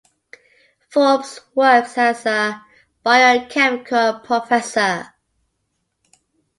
Forbes works as a bio-chemical professor.